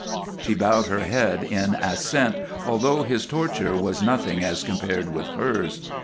She bowed her head in assent, although his torture was nothing as compared with hers.